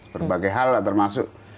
berbagai hal lah termasuk